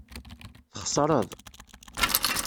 Txeṣṛeḍ.